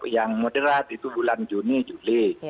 yang moderat itu bulan juni juli